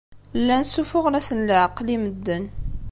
Llan ssuffuɣen-asen leɛqel i medden.